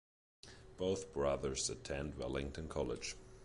Both brothers attended Wellington College.